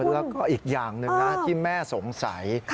แล้วก็อีกอย่างหนึ่งนะที่แม่สงสัย